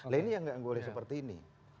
lainnya ya tidak boleh seperti ini